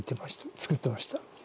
作ってました。